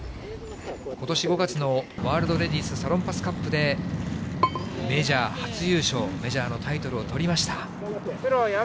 ことし５月のワールドレディスサロンパスカップでメジャー初優勝、メジャーのタイトルをとりました。